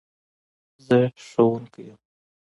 زه ښوونکي يم